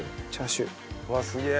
うわすげえ！